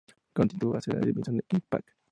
Continuó así hasta la edición de "Impact!